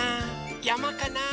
やまかな？